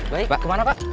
baik kemana pak